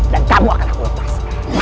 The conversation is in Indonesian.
dan kamu akan aku lepas